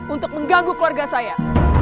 untuk mengganggu keluarga saya